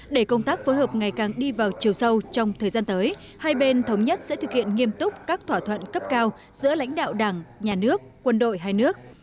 để công tác phối hợp ngày càng đi vào chiều sâu trong thời gian tới hai bên thống nhất sẽ thực hiện nghiêm túc các thỏa thuận cấp cao giữa lãnh đạo đảng nhà nước quân đội hai nước